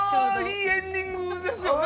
いいエンディングですよね